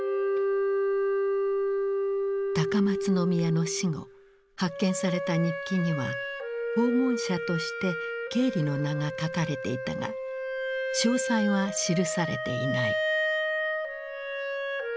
高松宮の死後発見された日記には訪問者としてケーリの名が書かれていたが詳細は記されていない。